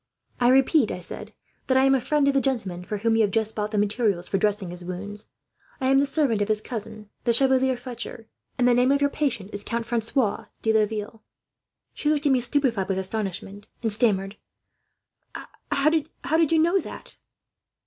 "'I repeat,' I said, 'that I am a friend of the gentleman for whom you have just bought the materials for dressing his wounds. I am the servant of his cousin, the Chevalier Fletcher; and the name of your patient is Count Francois de Laville.' "She looked at me, stupefied with astonishment, and stammered: "'How do you know that?'